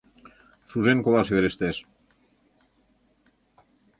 Шужен колаш верештеш.